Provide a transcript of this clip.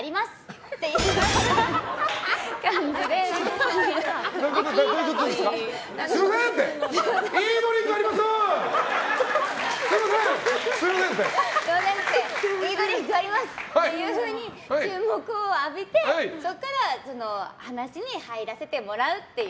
って言って注目を浴びて、そこから話に入らせてもらうという。